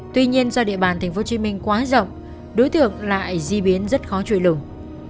tuy nhiên do địa bàn tp hcm quá rộng đối tượng lại di biến rất khó truy lùng